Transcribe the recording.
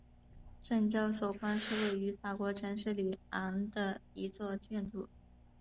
证交所宫是位于法国城市里昂的一座建筑。